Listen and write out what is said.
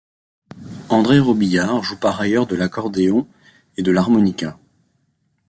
André Robillard joue par ailleurs de l'accordéon et de l'harmonica.